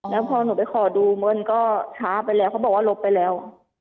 แล้วพอหนูไปขอดูเงินก็ช้าไปแล้วเขาบอกว่าลบไปแล้ว